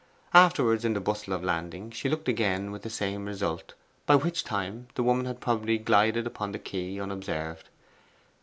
Afterwards, in the bustle of landing, she looked again with the same result, by which time the woman had probably glided upon the quay unobserved.